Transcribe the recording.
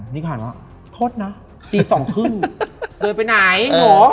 นี่ก็ถามว่าโทษนะตีสองครึ่งเดินไปไหนหนู